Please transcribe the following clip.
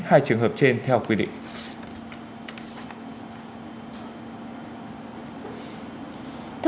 hai trường hợp trên theo quy định